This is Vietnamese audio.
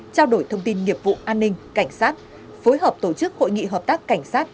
trao đổi thông tin nghiệp vụ an ninh cảnh sát phối hợp tổ chức hội nghị hợp tác cảnh sát